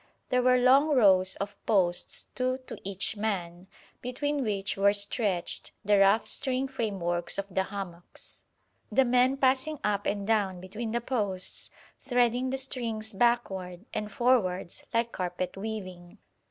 There were long rows of posts, two to each man, between which were stretched the rough string frameworks of the hammocks, the men passing up and down between the posts threading the strings backward and forwards like carpet weaving.